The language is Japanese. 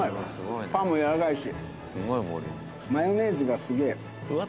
パンもやわらかいし。